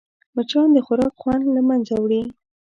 مچان د خوراک خوند له منځه وړي